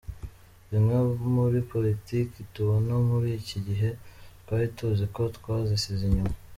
Zimwe muri politiki tubona muri iki gihe twari tuzi ko twazisize inyuma.